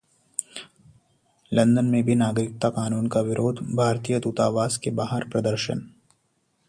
London में भी नागरिकता कानून का विरोध, भारतीय दूतावास के बाहर प्रदर्शन